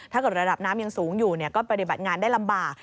ระดับน้ำยังสูงอยู่ก็ปฏิบัติงานได้ลำบาก